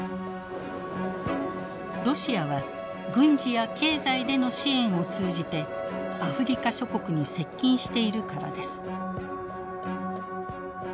ロシアは軍事や経済での支援を通じてアフリカ諸国に接近しているからです。